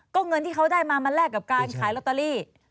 ก็เงินที่เขาได้มามันแลกกับการขายลอตเตอรี่